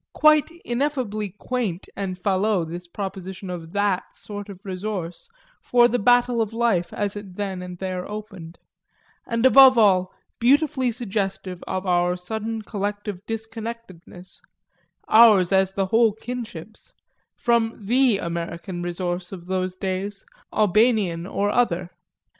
Quite ineffably quaint and falot this proposition of that sort of resource for the battle of life as it then and there opened; and above all beautifully suggestive of our sudden collective disconnectedness (ours as the whole kinship's) from the American resource of those days, Albanian or other.